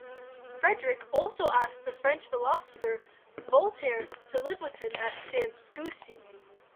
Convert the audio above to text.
Frederick also asked the French philosopher Voltaire to live with him at Sanssouci.